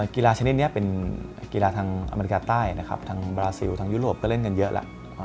กีฬาชนิดนี้เป็นกีฬาทางอเมริกาใต้นะครับทางบราซิลทางยุโรปก็เล่นกันเยอะแล้ว